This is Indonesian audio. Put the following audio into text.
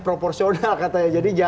proporsional katanya jadi ya